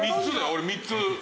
俺３つ。